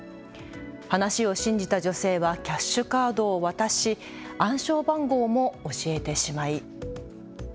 話を信じた女性はキャッシュカードを渡し暗証番号も教えてしまい。